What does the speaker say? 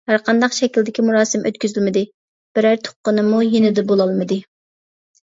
ھەر قانداق شەكىلدىكى مۇراسىم ئۆتكۈزۈلمىدى، بىرەر تۇغقىنىمۇ يېنىدا بولالمىدى.